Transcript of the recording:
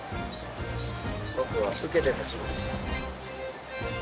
僕は受けて立ちます。